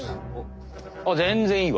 あっ全然いいわ。